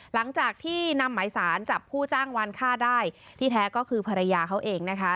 หลังจากที่นำหมายสารจับผู้จ้างวานฆ่าได้ที่แท้ก็คือภรรยาเขาเองนะคะ